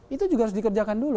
itu juga harus dikerjakan dulu